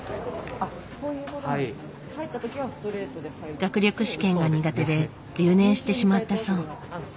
学力試験が苦手で留年してしまったそう。